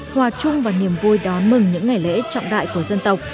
hòa chung và niềm vui đón mừng những ngày lễ trọng đại của dân tộc